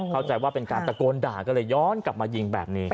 เข้าใจว่าเป็นการตะโกนด่าก็เลยย้อนกลับมายิงแบบนี้